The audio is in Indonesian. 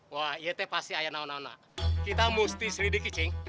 wah iya teh pasti ayah naung naung kita musti selidiki cing